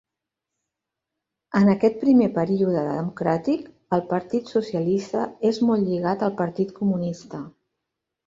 En aquest primer període democràtic, el partit socialista és molt lligat al Partit Comunista.